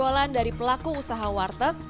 berb stolen dari pelaku usaha warteg